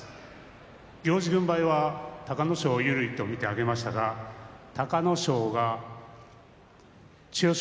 行司軍配は隆の勝有利と見て上げましたが隆の勝が千代翔